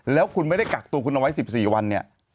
แล้วคุณไม่ได้กักตัวคุณเอาไว้๑๔วันเนี่ย